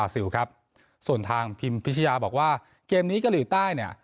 ส่วนทางพิมพิชญาบอกว่าเกมนี้กะหรือใต้เนี่ย